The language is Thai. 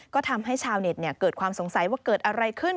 ก็ทำให้ชาวเน็ตเกิดความสงสัยว่าเกิดอะไรขึ้น